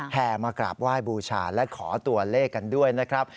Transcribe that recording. แห่มากราบไหว้บูชาและขอตัวเลขกันด้วยนะครับ